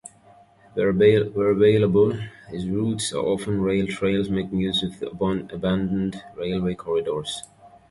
Where available, these routes are often rail trails making use of abandoned railway corridors.